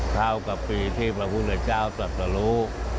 เท่ากับปีที่พระพุทธเจ้าตรัสรู้